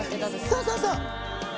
あそうそうそう！